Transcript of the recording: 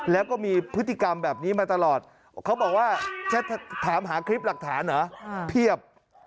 แล้วก็มีพฤติกรรมแบบนี้มาตลอดเขาบอกว่าถามหาคลิปหลักฐานเหรอเพียบ